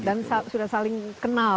dan sudah saling kenal ya